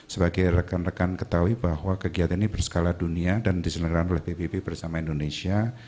sebagai rekan rekan ketahui bahwa kegiatan ini berskala dunia dan diselenggarakan oleh pbb bersama indonesia